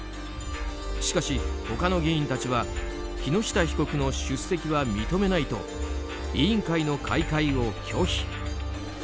しかし、他の議員たちは木下被告の出席は認めないと委員会の開会を拒否。